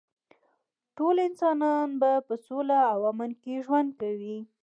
ټول انسانان به په سوله او امن کې ژوند کوي